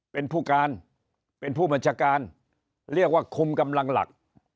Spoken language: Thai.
เป็นผู้การเป็นผู้บัญชาการเรียกว่าคุมกำลังหลัก